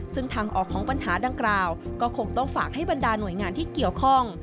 ซึ่งทางออกของปัญหาดังกล่าวก็คงต้องฝากให้บรรดาหน่วยงานที่เกี่ยวข้อง